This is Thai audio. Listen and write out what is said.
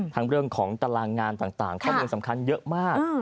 เรื่องของตารางงานต่างข้อมูลสำคัญเยอะมาก